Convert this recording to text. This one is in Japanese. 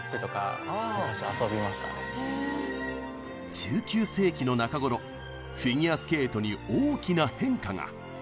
１９世紀の中頃フィギュアスケートに大きな変化が。